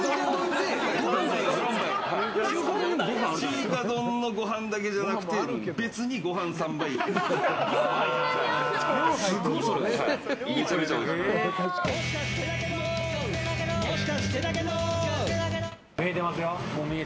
中華丼のご飯だけじゃなくて別にごはん３杯いける。